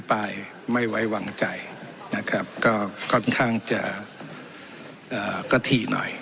ป้ายไม่ไว้วางใจนะครับก็ค่อนข้างจะก็ถี่หน่อย